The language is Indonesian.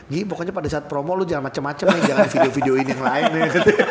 gih pokoknya pada saat promo lu jangan macem macem nih jangan video videoin yang lain gitu